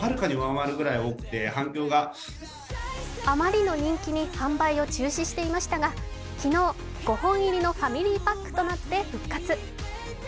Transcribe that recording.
あまりの人気に販売を中止していましたが昨日、５本入りのファミリーパックとなって復活。